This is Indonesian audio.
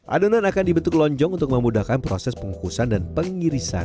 adonan akan dibentuk lonjong untuk memudahkan proses pengukusan dan pengirisan